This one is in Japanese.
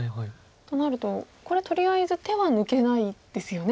となるとこれとりあえず手は抜けないですよね。